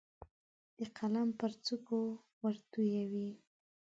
د قلم پر څوکو ورتویوي